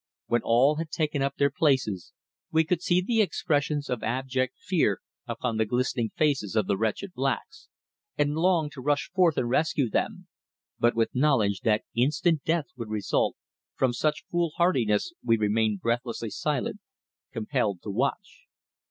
When all had taken up their places we could see the expressions of abject fear upon the glistening faces of the wretched blacks, and longed to rush forth and rescue them, but with knowledge that instant death would result from such foolhardiness we remained breathlessly silent, compelled to watch.